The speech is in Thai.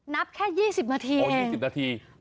นับแค่๒๐นาทีเอง